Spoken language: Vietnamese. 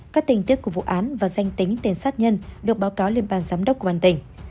các tình tiết của vụ án và danh tính tên sát nhân được báo cáo lên bàn giám đốc của bàn tỉnh